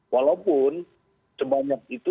walaupun sebanyak itu